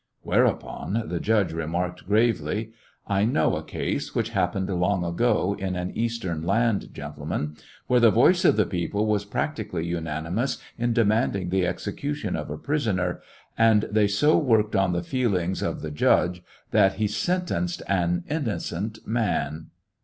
'' Whereupon the judge remarked gravely : "I know a case which happened long ago in an Eastern land, gentlemen, where the voice of the people was practically unanimous in demanding the execution of a prisoner, and 100 lyiissionarY in tge Great West they so worked on the feelings of the judge that he sentenced an innocent man!